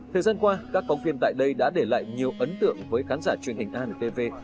thời gian qua các phóng viên tại đây đã để lại nhiều ấn tượng với khán giả truyền hình antv